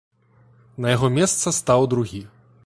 На яго месца стаў другі.